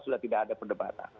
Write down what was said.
sudah tidak ada perdebatan